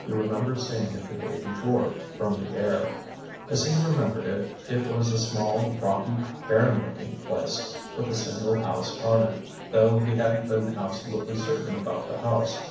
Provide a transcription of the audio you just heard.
He remembered seeing it the day before, from the air. As he remembered it, it was a small, rocky, barren looking place, with a single house on it, though he hadn't been absolutely certain about the house.